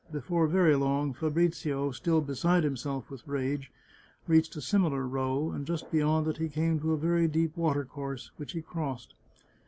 Before very long Fabrizio, still be side himself with rage, reached a similar row, and just be yond it he came on a very deep watercourse, which he crossed.